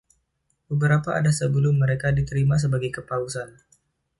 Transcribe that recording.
Beberapa ada sebelum mereka diterima sebagai Kepausan.